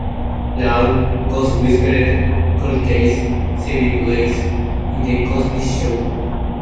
Law", "Ghost Whisperer", "Cold Case", "Saving Grace", y "The Cosby Show".